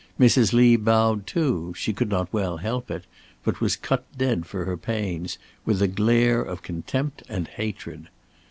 Mrs. Lee bowed too; she could not well help it; but was cut dead for her pains, with a glare of contempt and hatred.